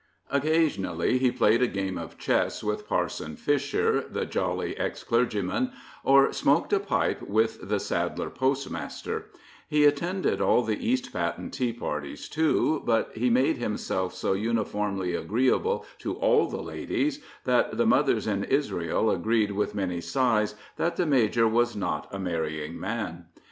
Occasionally he played a game of chess with Parson Fisher, the jolly ex clergyman, or smoked a pipe with the sadler postmaster; he attended all the East Patten tea parties, too, but he made himself so uniformly agreeable to all the ladies that the mothers in Israel agreed with many sighs, that the major was not a marrying man.